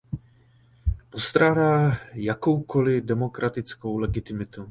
Postrádá jakoukoli demokratickou legitimitu.